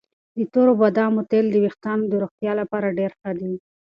د تور بادامو تېل د ویښتانو د روغتیا لپاره ډېر ښه دي.